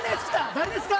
誰ですか！？